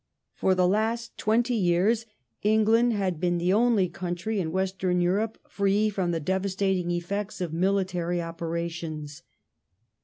For the last twenty years England had been the only country Foreign in Western Europe free from the devastating effects of military ''^^ operations.